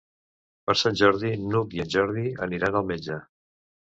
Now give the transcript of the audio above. Per Sant Jordi n'Hug i en Jordi aniran al metge.